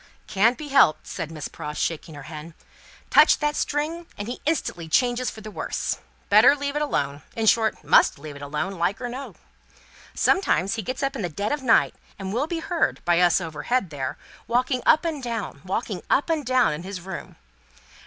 "Can't be helped," said Miss Pross, shaking her head. "Touch that string, and he instantly changes for the worse. Better leave it alone. In short, must leave it alone, like or no like. Sometimes, he gets up in the dead of the night, and will be heard, by us overhead there, walking up and down, walking up and down, in his room.